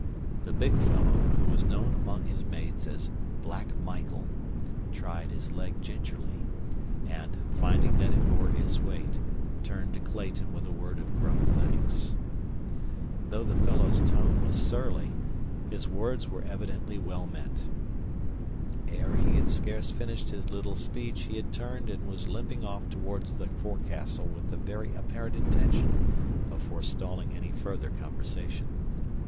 The big fellow, who was known among his mates as Black Michael, tried his leg gingerly, and, finding that it bore his weight, turned to Clayton with a word of gruff thanks. Though the fellow's tone was surly, his words were evidently well meant. Ere he had scarce finished his little speech he had turned and was limping off toward the forecastle with the very apparent intention of forestalling any further conversation.